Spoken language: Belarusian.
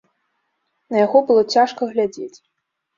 На яго было цяжка глядзець.